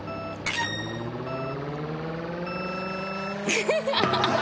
アハハハ。